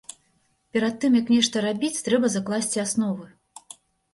Перад тым, як нешта рабіць, трэба закласці асновы.